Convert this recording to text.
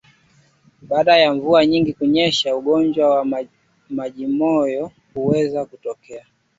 Baada ya mvua nyingi kunyesha ugonjwa wa majimoyo huweza kutokea